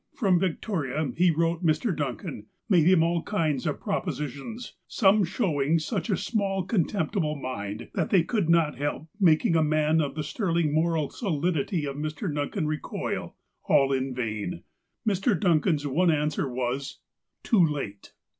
From Victoria be wrote Mr. Duncau, made him all kinds of propositions, some show ing such a small, contemptible mind, that they could not help making a man of the sterling moral solidity of Mr. Duncan recoil. All in vain. Mr. Duncan's one answer was : "Too late."